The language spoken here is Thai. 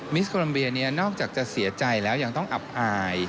มิสกรมเบียนี้นอกจากจะเสียใจแล้วยังต้องอาบอาย